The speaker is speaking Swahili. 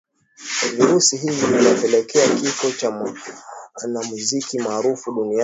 virusi hivi vilipelekea kifo cha mwanamuziki maarufu duniani